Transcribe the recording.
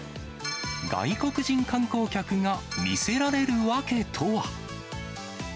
外国人観光客が魅せられる訳とは。